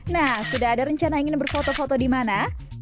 nah sudah ada rencana ingin berfoto foto di mana